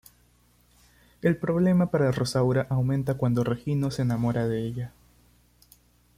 El problema para Rosaura aumenta cuando Regino se enamora de ella.